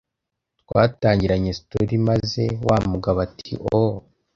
twatangiranye story maze wa mugabo ati ooh